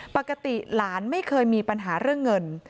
ปกติหลานไม่เคยมีปัญหาเรื่องเงิน